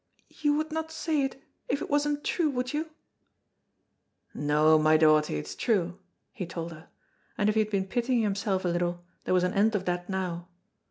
"You would not say it if it wasn't true, would you?" "No, my dawtie, it's true," he told her, and if he had been pitying himself a little, there was an end of that now.